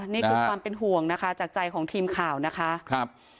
นี่คือความเป็นห่วงนะคะจากใจของทีมข่าวนะคะครับ